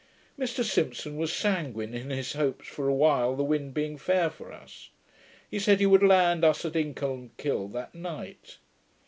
Mr Simpson was sanguine in his hopes for a while, the wind being fair for us. He said, he would land us at Icolmkill that night.